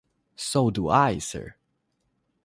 So do I, sir.